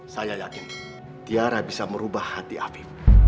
saya yakin tiara bisa merubah hati api